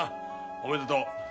おめでとう。